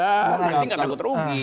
nggak takut rugi